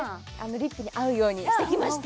リップに合うようにしてきました